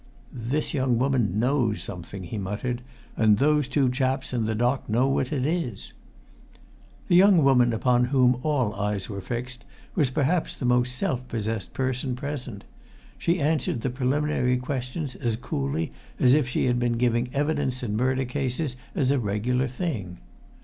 "This young woman knows something!" he muttered. "And those two chaps in the dock know what it is!" The young woman upon whom all eyes were fixed was perhaps the most self possessed person present. She answered the preliminary questions as coolly as if she had been giving evidence in murder cases as a regular thing.